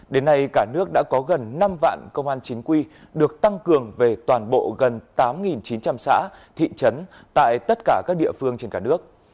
đến nay cả nước đã có gần năm vạn công an chính quy được tăng cường về toàn bộ gần tám chín trăm linh xã thị trấn tại tất cả các địa phương trên cả nước